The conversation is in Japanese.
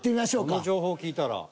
この情報聞いたら。